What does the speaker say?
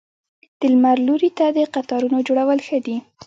د لمر لوري ته د قطارونو جوړول ښه دي؟